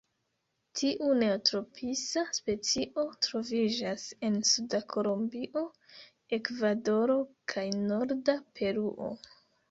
Tiu neotropisa specio troviĝas en suda Kolombio, Ekvadoro kaj norda Peruo.